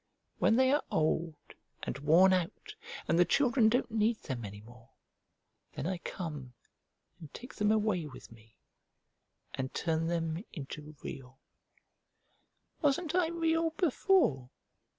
When they are old and worn out and the children don't need them any more, then I come and take them away with me and turn them into Real." "Wasn't I Real before?"